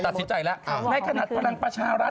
ตัดสินใจแล้วแล้วในขณะพันธุ์รัฐประชารัฐ